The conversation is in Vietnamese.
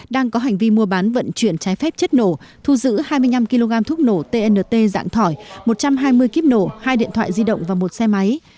đang có hành vi mua bán vận chuyển trái phép chất nổ thu giữ hai mươi năm kg thuốc nổ tnt dạng thỏi một trăm hai mươi kíp nổ hai điện thoại di động và một xe máy